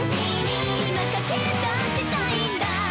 「『今駆けだしたいんだ．．．！！』」